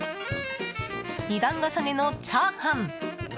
２段重ねのチャーハン。